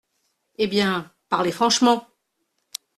»Eh bien, parlez franchement.